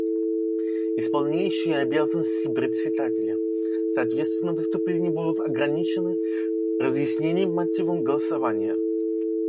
Исполняющий обязанности Председателя: Соответственно выступления будут ограничены разъяснением мотивов голосования.